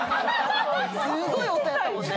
すごい音やったもんね。